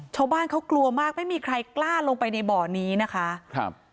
ชาวบ้านเขากลัวมากไม่มีใครกล้าลงไปในบ่อนี้นะคะครับ